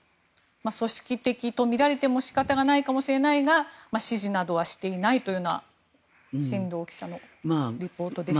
組織的とみられても仕方がないかもしれないが指示などはしていないというような進藤記者のリポートでした。